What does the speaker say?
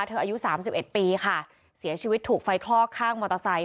อายุสามสิบเอ็ดปีค่ะเสียชีวิตถูกไฟคลอกข้างมอเตอร์ไซค